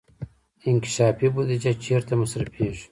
انکشافي بودجه چیرته مصرفیږي؟